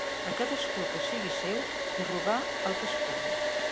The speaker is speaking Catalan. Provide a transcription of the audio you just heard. A cadascú el que sigui seu, i robar el que es pugui.